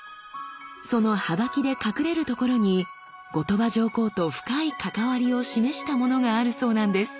そのはばきで隠れるところに後鳥羽上皇と深い関わりを示したものがあるそうなんです。